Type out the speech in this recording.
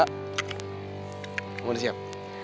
kamu udah siap